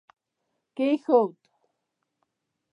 کښېښود